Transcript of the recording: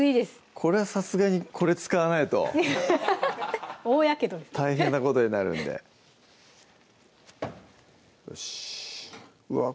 これはさすがにこれ使わないと大やけどですね大変なことになるんでよしうわっ